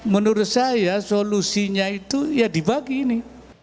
menurut saya solusinya itu ya dibagi ini